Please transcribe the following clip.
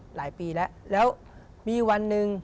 หลายปีแล้วแล้วมีวันหนึ่ง